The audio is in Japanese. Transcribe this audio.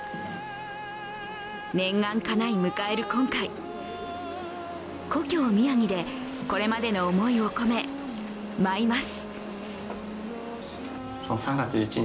念願かない迎える今回、故郷・宮城でこれまでの思いを込め舞います。